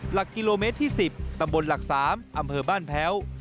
หลักกิโลเมตรที่๑๐ตำบลหลัก๓อำเภอบ้านแพ้ว